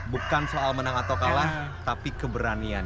bukan soal menang atau kalah tapi keberanian